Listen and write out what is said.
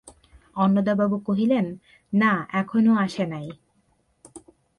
অন্নদাবাবু কহিলেন, না, এখনো আসে নাই।